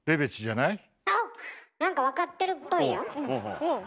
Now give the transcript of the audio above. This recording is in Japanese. なんか分かってるっぽいよ。